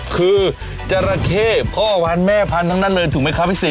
คือจราเข้พ่อวันแม่พันธุ์ทั้งนั้นเลยถูกไหมครับพี่สิ